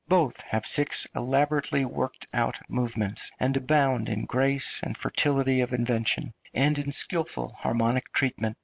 Both have six elaborately worked out movements, and abound in grace and fertility of invention, and in skilful harmonic treatment.